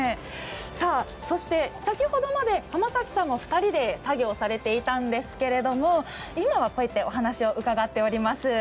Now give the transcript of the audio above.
そして、先ほどまで濱崎さんも２人で作業されていたんですけれども今はお話を伺っております。